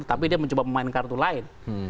tapi dia mencoba memainkan kartu lain